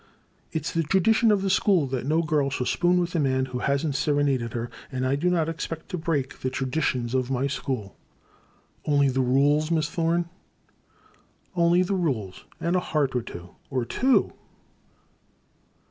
It *s the tradition of the school that no girl shall spoon with a man who has n't serenaded her, and I do not expect to break the traditions of my school "" Only the rules, Miss Thorne ?"Only the rules — and a heart or two !'* ''Or two!''